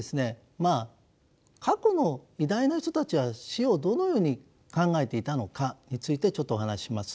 まあ過去の偉大な人たちは死をどのように考えていたのかについてちょっとお話しします。